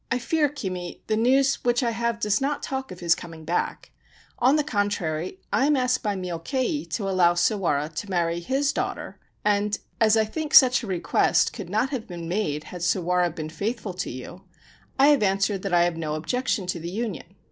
1 fear, Kimi, the news which I have does not talk of his coming back. On the contrary, I am asked by Myokei to allow Sawara to marry his daughter, and, as I think such a request could not have been made had Sawara been faithful to you, I have answered that I have no objection to the union.